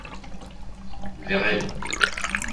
Vers elle.